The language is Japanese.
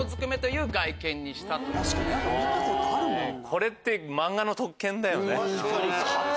これって漫画の特権だよね。